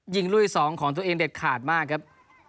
ยิงลูกที่๒ของตัวเองเด็ดขาดมากครับ